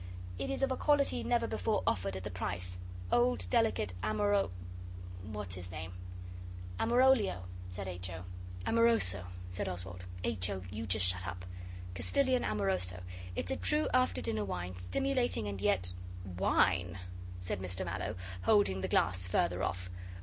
'It is of a quality never before offered at the price. Old Delicate Amoro what's its name ' 'Amorolio,' said H. O. 'Amoroso,' said Oswald. 'H. O., you just shut up Castilian Amoroso it's a true after dinner wine, stimulating and yet...' 'Wine?' said Mr Mallow, holding the glass further off.